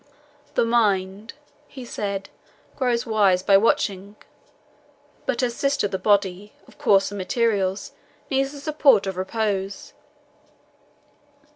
"The mind," he said, "grows wise by watching, but her sister the body, of coarser materials, needs the support of repose.